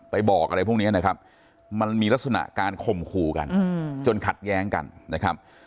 บอกอะไรพวกนี้นะครับมันมีลักษณะการข่มขู่กันจนขัดแย้งกันนะครับ